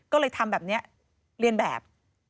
ก็เลยทำแบบนี้เรียนแบบ